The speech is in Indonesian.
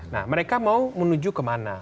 nah mereka mau menuju kemana